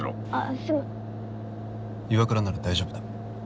岩倉なら大丈夫だ。